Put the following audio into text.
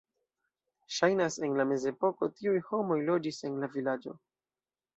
Ŝajnas, en la mezepoko tiuj homoj loĝis en la vilaĝo.